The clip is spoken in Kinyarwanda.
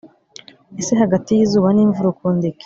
ese hagati yizuba nimvura ukunda iki